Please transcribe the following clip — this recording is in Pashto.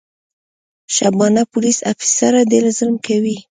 شبانه پولیس افیسره ډېر ظلم کوي.